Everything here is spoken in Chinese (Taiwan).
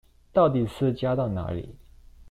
到底是加到哪裡